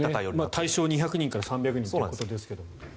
対象は２００人から３００人ということですが。